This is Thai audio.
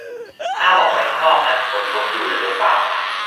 ห้ามออกไปข้างนอกนะ ฝนตกอยู่ เดี๋ยวโดนฟ้าผ่า